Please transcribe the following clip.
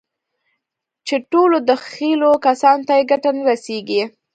چې ټولو دخيلو کسانو ته يې ګټه نه رسېږي.